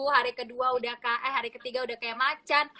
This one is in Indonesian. hari ketiga udah kayak macan